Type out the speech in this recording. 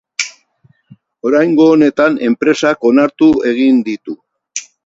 Oraingo honetan enpresak onartu egin ditu.